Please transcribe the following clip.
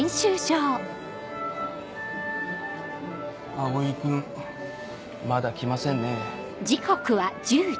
蒼君まだ来ませんね。